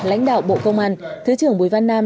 lãnh đạo bộ công an thứ trưởng bùi văn nam